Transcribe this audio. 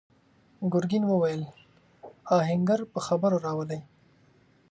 ګرګين وويل: آهنګر په خبرو راولئ!